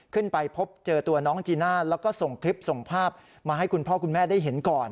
ขึ้นไปพบเจอตัวน้องจีน่าแล้วก็ส่งคลิปส่งภาพมาให้คุณพ่อคุณแม่ได้เห็นก่อน